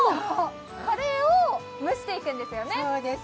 これを蒸していくんですよね。